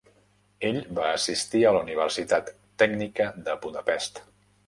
Ell va assistir a la Universitat tècnica de Budapest.